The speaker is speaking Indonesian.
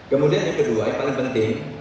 kemudian yang kedua yang paling penting